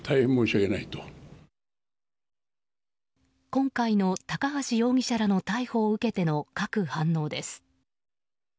今回の高橋容疑者らの逮捕を受けての各反応です。